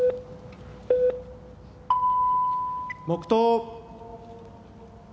黙とう。